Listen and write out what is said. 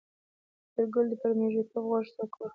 شېرګل پر مېږتون غوږ سوک ورکړ.